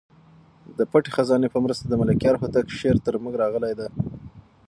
د پټې خزانې په مرسته د ملکیار هوتک شعر تر موږ راغلی دی.